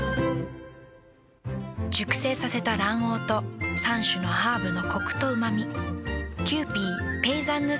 熟成させた卵黄と３種のハーブのコクとうま味。